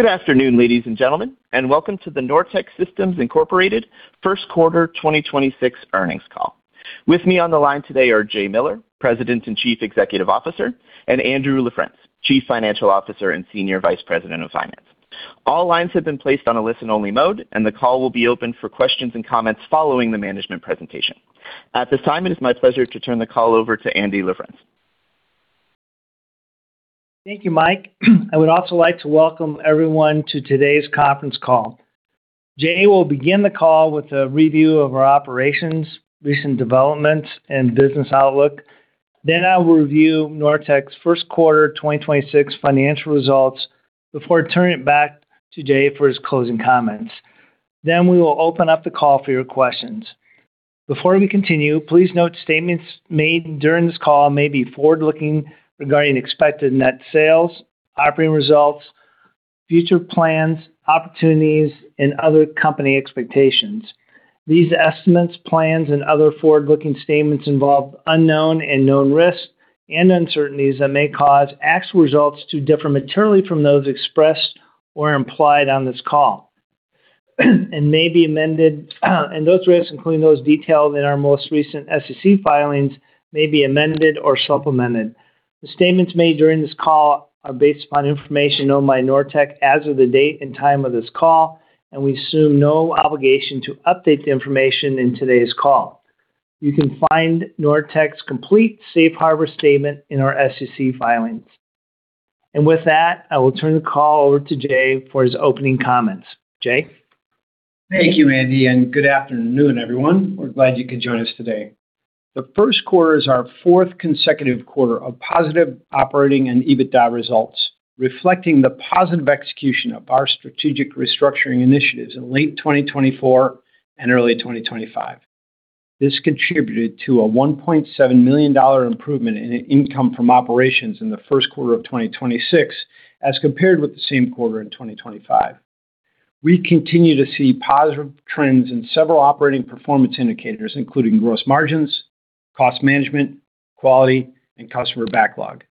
Good afternoon, ladies and gentlemen, and welcome to the Nortech Systems Incorporated First Quarter 2026 earnings call. With me on the line today are Jay Miller, President and Chief Executive Officer, and Andrew LaFrence, Chief Financial Officer and Senior Vice President of Finance. All lines have been placed on a listen-only mode, and the call will be open for questions and comments following the management presentation. At this time, it is my pleasure to turn the call over to Andy LaFrence. Thank you, Mike. I would also like to welcome everyone to today's conference call. Jay will begin the call with a review of our operations, recent developments, and business outlook. I will review Nortech's 1st quarter 2026 financial results before turning it back to Jay for his closing comments. We will open up the call for your questions. Before we continue, please note statements made during this call may be forward-looking regarding expected net sales, operating results, future plans, opportunities, and other company expectations. These estimates, plans, and other forward-looking statements involve unknown and known risks and uncertainties that may cause actual results to differ materially from those expressed or implied on this call, and may be amended, and those risks, including those detailed in our most recent SEC filings, may be amended or supplemented. The statements made during this call are based upon information known by Nortech as of the date and time of this call, and we assume no obligation to update the information in today's call. You can find Nortech's complete safe harbor statement in our SEC filings. With that, I will turn the call over to Jay for his opening comments. Jay? Thank you, Andy, and good afternoon, everyone. We're glad you could join us today. The first quarter is our fourth consecutive quarter of positive operating and EBITDA results, reflecting the positive execution of our strategic restructuring initiatives in late 2024 and early 2025. This contributed to a $1.7 million improvement in income from operations in the first quarter of 2026 as compared with the same quarter in 2025. We continue to see positive trends in several operating performance indicators, including gross margins, cost management, quality, and customer backlog.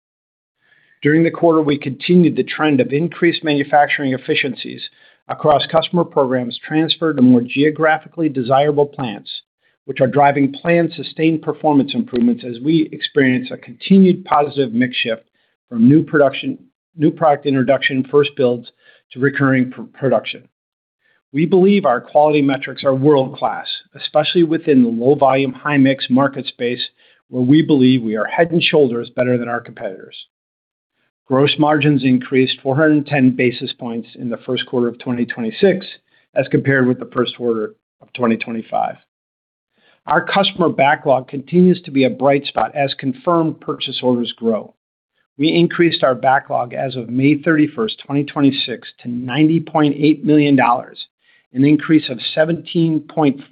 During the quarter, we continued the trend of increased manufacturing efficiencies across customer programs transferred to more geographically desirable plants, which are driving planned sustained performance improvements as we experience a continued positive mix shift from new product introduction first builds to recurring production. We believe our quality metrics are world-class, especially within the low-volume, high-mix market space, where we believe we are head and shoulders better than our competitors. Gross margins increased 410 basis points in the first quarter of 2026 as compared with the first quarter of 2025. Our customer backlog continues to be a bright spot as confirmed purchase orders grow. We increased our backlog as of May 31, 2026, to $90.8 million, an increase of 17.4%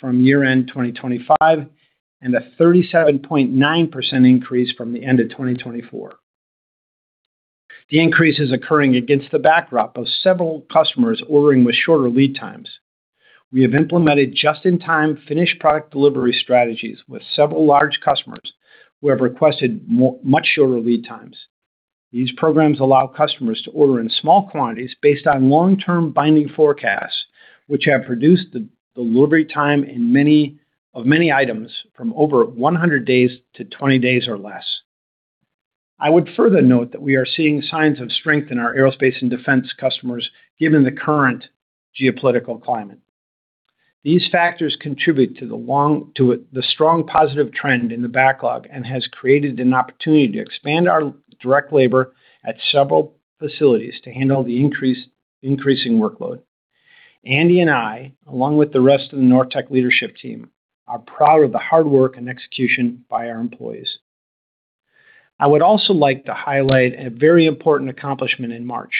from year-end 2025 and a 37.9% increase from the end of 2024. The increase is occurring against the backdrop of several customers ordering with shorter lead times. We have implemented just-in-time finished product delivery strategies with several large customers who have requested much shorter lead times. These programs allow customers to order in small quantities based on long-term binding forecasts, which have reduced the delivery time of many items from over 100 days to 20 days or less. I would further note that we are seeing signs of strength in our aerospace and defense customers given the current geopolitical climate. These factors contribute to the strong positive trend in the backlog and has created an opportunity to expand our direct labor at several facilities to handle the increasing workload. Andy and I, along with the rest of the Nortech leadership team, are proud of the hard work and execution by our employees. I would also like to highlight a very important accomplishment in March.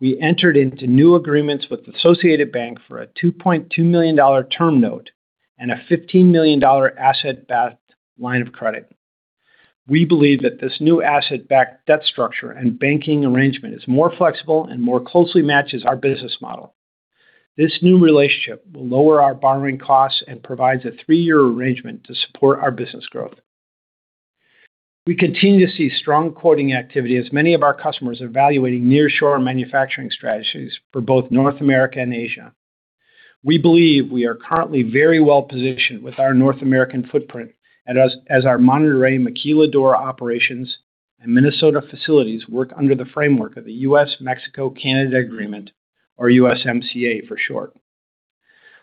We entered into new agreements with Associated Bank for a $2.2 million term note and a $15 million asset-backed line of credit. We believe that this new asset-backed debt structure and banking arrangement is more flexible and more closely matches our business model. This new relationship will lower our borrowing costs and provides a three-year arrangement to support our business growth. We continue to see strong quoting activity as many of our customers are evaluating nearshore manufacturing strategies for both North America and Asia. We believe we are currently very well-positioned with our North American footprint as our Monterrey Maquiladora operations and Minnesota facilities work under the framework of the US-Mexico-Canada Agreement or USMCA for short.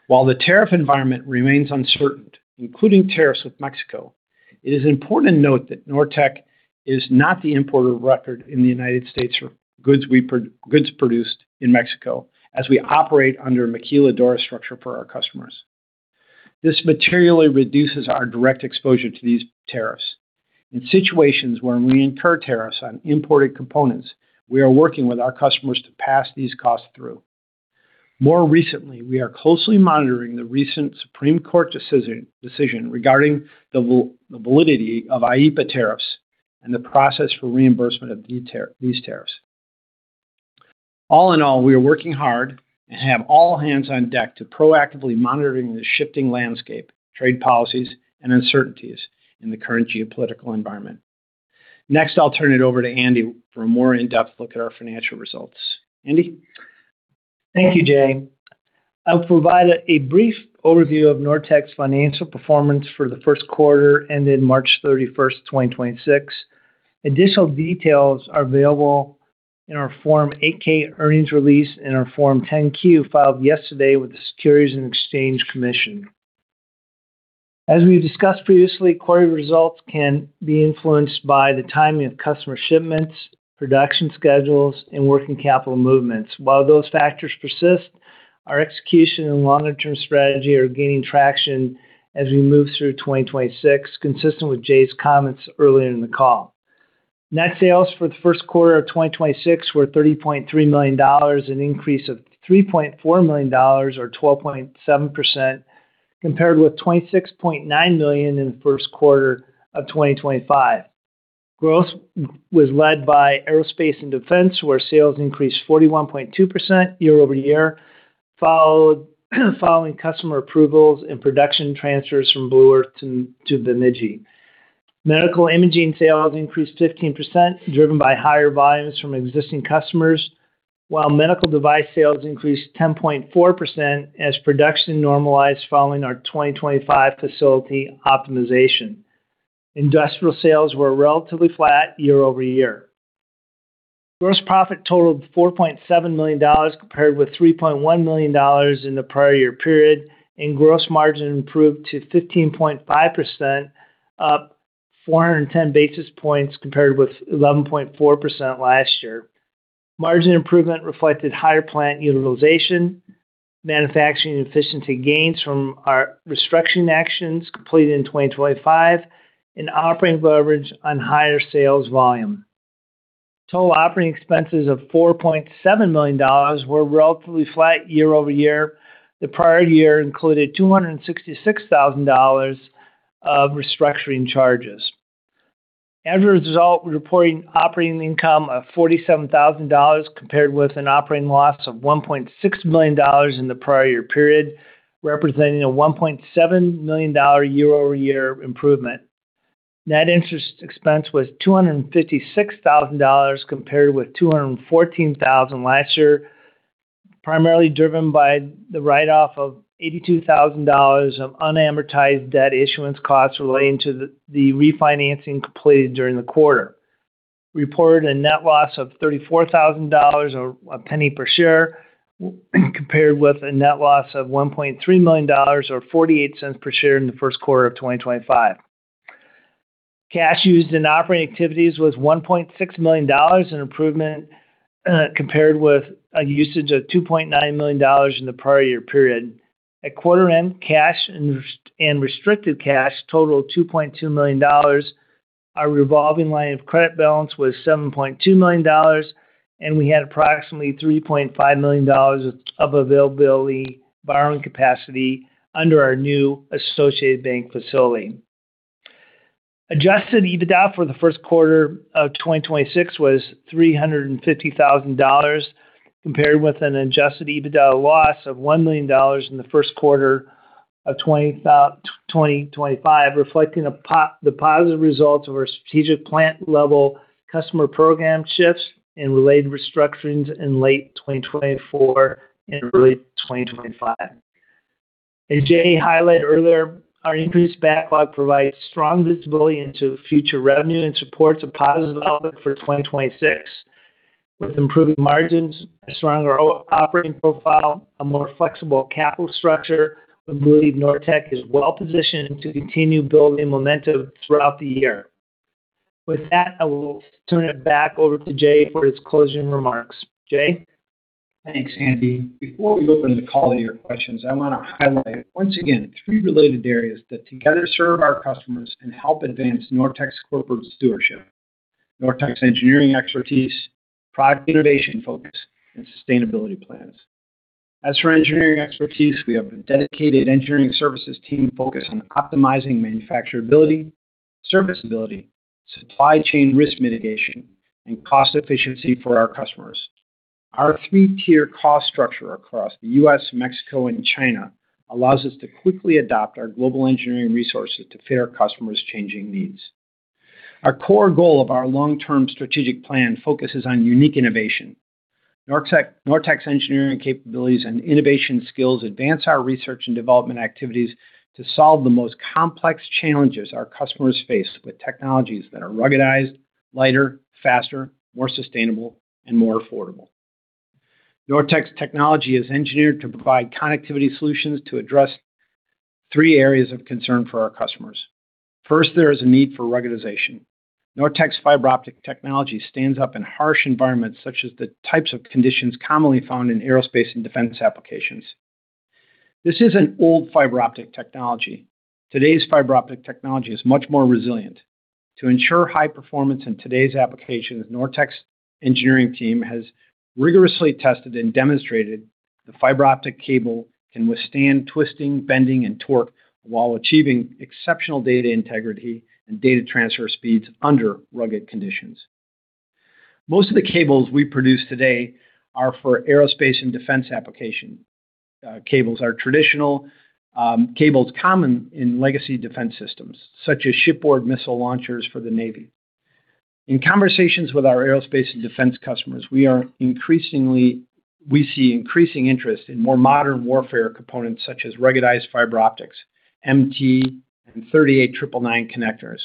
While the tariff environment remains uncertain, including tariffs with Mexico, it is important to note that Nortech is not the importer of record in the U.S. for goods produced in Mexico as we operate under a Maquiladora structure for our customers. This materially reduces our direct exposure to these tariffs. In situations when we incur tariffs on imported components, we are working with our customers to pass these costs through. More recently, we are closely monitoring the recent Supreme Court decision regarding the validity of IEEPA tariffs and the process for reimbursement of these tariffs. All in all, we are working hard and have all hands on deck to proactively monitoring the shifting landscape, trade policies, and uncertainties in the current geopolitical environment. Next, I'll turn it over to Andy for a more in-depth look at our financial results. Andy. Thank you, Jay. I'll provide a brief overview of Nortech's financial performance for the first quarter ended March 31st, 2026. Additional details are available in our Form 8-K earnings release and our Form 10-Q filed yesterday with the Securities and Exchange Commission. As we discussed previously, query results can be influenced by the timing of customer shipments, production schedules, and working capital movements. While those factors persist, our execution and longer-term strategy are gaining traction as we move through 2026, consistent with Jay's comments earlier in the call. Net sales for the first quarter of 2026 were $33.3 million, an increase of $3.4 million or 12.7% compared with $26.9 million in the first quarter of 2025. Growth was led by aerospace and defense, where sales increased 41.2% year-over-year, following customer approvals and production transfers from Blue Earth to Bemidji. Medical imaging sales increased 15%, driven by higher volumes from existing customers, while medical device sales increased 10.4% as production normalized following our 2025 facility optimization. Industrial sales were relatively flat year-over-year. Gross profit totaled $4.7 million compared with $3.1 million in the prior year period, and gross margin improved to 15.5%, up 410 basis points compared with 11.4% last year. Margin improvement reflected higher plant utilization, manufacturing efficiency gains from our restructuring actions completed in 2025, and operating leverage on higher sales volume. Total operating expenses of $4.7 million were relatively flat year-over-year. The prior year included $266,000 of restructuring charges. As a result, we're reporting operating income of $47,000 compared with an operating loss of $1.6 million in the prior year period, representing a $1.7 million year-over-year improvement. Net interest expense was $256,000 compared with $214,000 last year, primarily driven by the write-off of $82,000 of unamortized debt issuance costs relating to the refinancing completed during the quarter. We reported a net loss of $34,000 or $0.01 per share compared with a net loss of $1.3 million or $0.48 per share in the first quarter of 2025. Cash used in operating activities was $1.6 million, an improvement compared with a usage of $2.9 million in the prior year period. At quarter end, cash and restricted cash totaled $2.2 million. Our revolving line of credit balance was $7.2 million, and we had approximately $3.5 million of availability borrowing capacity under our new Associated Bank facility. Adjusted EBITDA for the first quarter of 2026 was $350,000 compared with an adjusted EBITDA loss of $1 million in the first quarter of 2025, reflecting the positive results of our strategic plant level customer program shifts and related restructurings in late 2024 and early 2025. As Jay highlighted earlier, our increased backlog provides strong visibility into future revenue and supports a positive outlook for 2026. With improved margins, a stronger operating profile, a more flexible capital structure, we believe Nortech is well-positioned to continue building momentum throughout the year. With that, I will turn it back over to Jay for his closing remarks. Jay. Thanks, Andy. Before we open the call to your questions, I want to highlight once again three related areas that together serve our customers and help advance Nortech's corporate stewardship. Nortech's engineering expertise, product innovation focus, and sustainability plans. As for engineering expertise, we have a dedicated engineering services team focused on optimizing manufacturability, serviceability, supply chain risk mitigation, and cost efficiency for our customers. Our three-tier cost structure across the U.S., Mexico, and China allows us to quickly adopt our global engineering resources to fit our customers' changing needs. Our core goal of our long-term strategic plan focuses on unique innovation. Nortech's engineering capabilities and innovation skills advance our research and development activities to solve the most complex challenges our customers face with technologies that are ruggedized, lighter, faster, more sustainable, and more affordable. Nortech's technology is engineered to provide connectivity solutions to address three areas of concern for our customers. There is a need for ruggedization. Nortech's fiber optic technology stands up in harsh environments, such as the types of conditions commonly found in aerospace and defense applications. This is an old fiber optic technology. Today's fiber optic technology is much more resilient. To ensure high performance in today's applications, Nortech's engineering team has rigorously tested and demonstrated the fiber optic cable can withstand twisting, bending, and torque while achieving exceptional data integrity and data transfer speeds under rugged conditions. Most of the cables we produce today are for aerospace and defense application. Cables are traditional cables common in legacy defense systems such as shipboard missile launchers for the Navy. In conversations with our aerospace and defense customers, we see increasing interest in more modern warfare components such as ruggedized fiber optics, MT and 38999 connectors,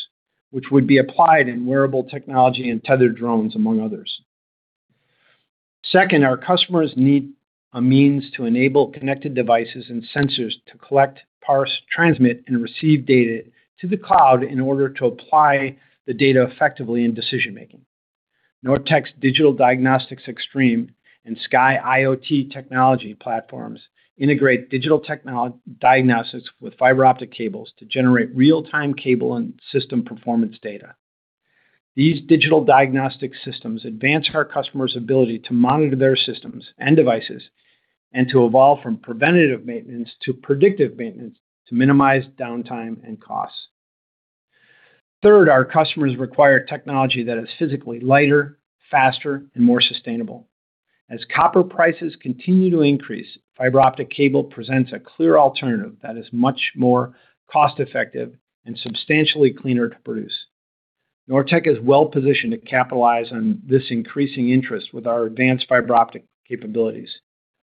which would be applied in wearable technology and tethered drones, among others. Second, our customers need a means to enable connected devices and sensors to collect, parse, transmit, and receive data to the cloud in order to apply the data effectively in decision-making. Nortech's Digital Diagnostics Extreme and Sky IoT technology platforms integrate digital diagnostics with fiber optic cables to generate real-time cable and system performance data. These digital diagnostic systems advance our customers' ability to monitor their systems and devices, and to evolve from preventative maintenance to predictive maintenance to minimize downtime and costs. Third, our customers require technology that is physically lighter, faster, and more sustainable. As copper prices continue to increase, fiber optic cable presents a clear alternative that is much more cost-effective and substantially cleaner to produce. Nortech is well-positioned to capitalize on this increasing interest with our advanced fiber optic capabilities.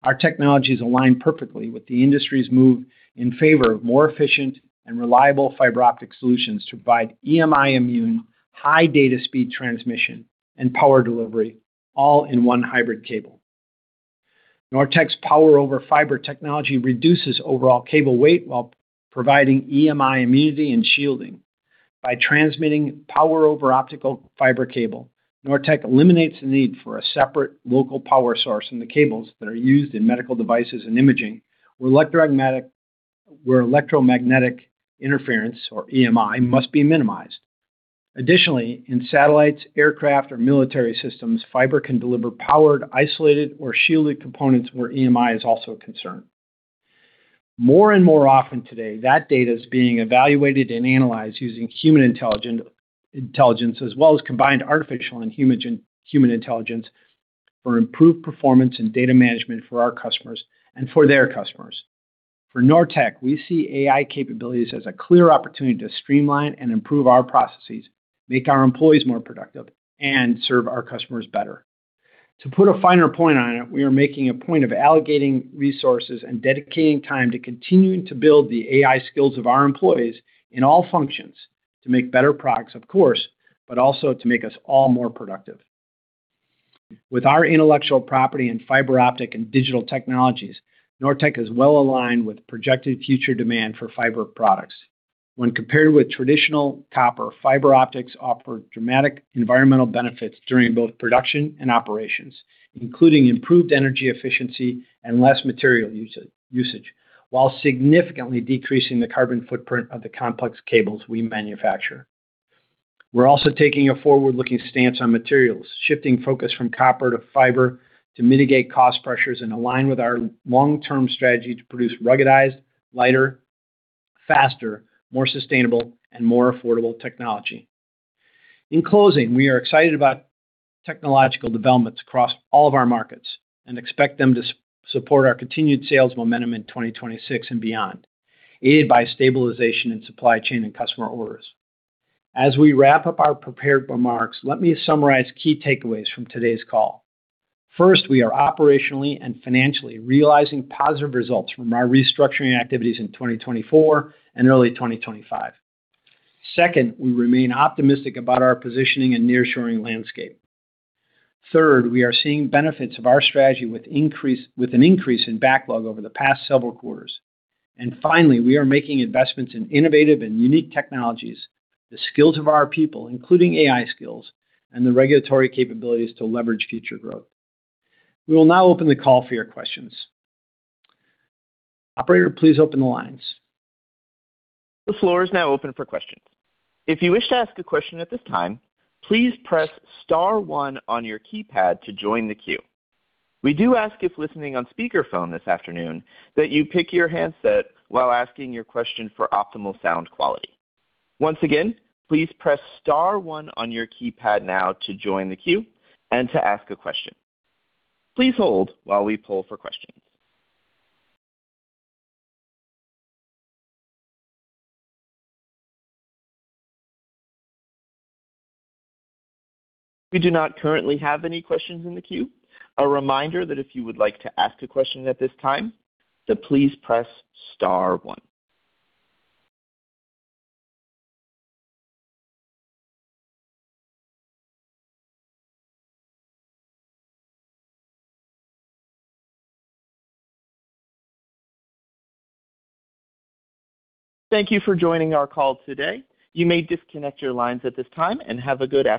Our technologies align perfectly with the industry's move in favor of more efficient and reliable fiber optic solutions to provide EMI-immune, high data speed transmission, and power delivery, all in one hybrid cable. Nortech's power-over-fiber technology reduces overall cable weight while providing EMI immunity and shielding. By transmitting power over optical fiber cable, Nortech eliminates the need for a separate local power source in the cables that are used in medical devices and imaging, where electromagnetic interference, or EMI, must be minimized. Additionally, in satellites, aircraft, or military systems, fiber can deliver powered, isolated, or shielded components where EMI is also a concern. More and more often today, that data is being evaluated and analyzed using human intelligence as well as combined artificial and human intelligence for improved performance and data management for our customers and for their customers. For Nortech, we see AI capabilities as a clear opportunity to streamline and improve our processes, make our employees more productive, and serve our customers better. To put a finer point on it, we are making a point of allocating resources and dedicating time to continuing to build the AI skills of our employees in all functions to make better products, of course, but also to make us all more productive. With our intellectual property in fiber optic and digital technologies, Nortech is well-aligned with projected future demand for fiber products. When compared with traditional copper, fiber optics offer dramatic environmental benefits during both production and operations, including improved energy efficiency and less material usage, while significantly decreasing the carbon footprint of the complex cables we manufacture. We're also taking a forward-looking stance on materials, shifting focus from copper to fiber to mitigate cost pressures and align with our long-term strategy to produce ruggedized, lighter, faster, more sustainable, and more affordable technology. In closing, we are excited about technological developments across all of our markets and expect them to support our continued sales momentum in 2026 and beyond, aided by stabilization in supply chain and customer orders. As we wrap up our prepared remarks, let me summarize key takeaways from today's call. First, we are operationally and financially realizing positive results from our restructuring activities in 2024 and early 2025. Second, we remain optimistic about our positioning and nearshoring landscape. Third, we are seeing benefits of our strategy with an increase in backlog over the past several quarters. Finally, we are making investments in innovative and unique technologies, the skills of our people, including AI skills, and the regulatory capabilities to leverage future growth. We will now open the call for your questions. Operator, please open the lines. The floor is now open for questions. If you wish to ask a question at this time, please press star one on your keypad to join the queue. We do ask, if listening on speaker phone this afternoon, that you pick your handset while asking your question for optimal sound quality. Once again, please press star one on your keypad now to join the queue and to ask a question. Please hold while we poll for questions. We do not currently have any questions in the queue. A reminder that if you would like to ask a question at this time, to please press star one. Thank you for joining our call today. You may disconnect your lines at this time, and have a good afternoon.